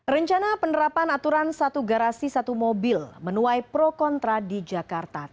rencana penerapan aturan satu garasi satu mobil menuai pro kontra di jakarta